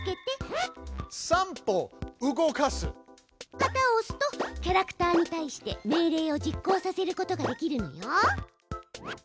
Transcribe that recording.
旗をおすとキャラクターに対して命令を実行させることができるのよ。